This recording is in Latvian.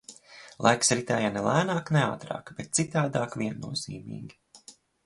Laiks ritēja ne lēnāk, ne ātrāk, bet citādāk viennozīmīgi.